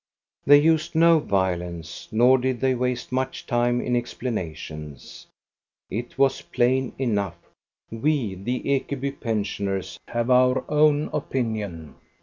They used no violence, nor did they waste much time in explanations. It was plain enough: "We the Ekeby pensioners have our own opinion.